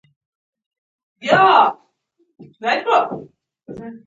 او د عقل په مرسته يې قوي دښمن مات کړى و.